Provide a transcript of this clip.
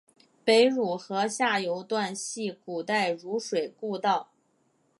北汝河下游段系古代汝水故道。